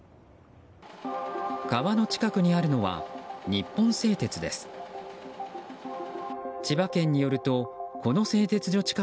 川の近くにあるのは日本製鉄です。